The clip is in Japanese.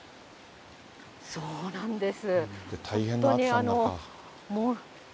そうなんです。